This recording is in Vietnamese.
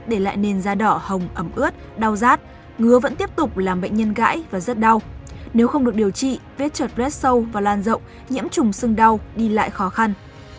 để lại nền da đỏ hồng ẩm ướt đau rát ngứa vẫn tiếp tục làm bệnh nhân gãy và rất đau nếu không được điều trị vết trượt red sâu và lan rộng nhiễm trùng sưng đau đi lại khó khăn